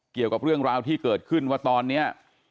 เกี่ยวกับเรื่องราวที่เกิดขึ้นว่าตอนนี้